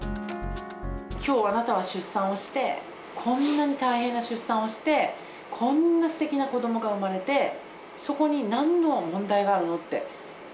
きょう、あなたは出産して、こんなに大変な出産をして、こんなすてきな子どもが生まれて、そこになんの問題があるの？って。